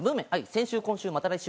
先週、今週、また来週。